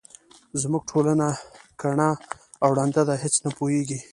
زموږ ټولنه کڼه او ړنده ده هیس نه پوهیږي.